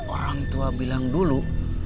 orang tua bilang dulu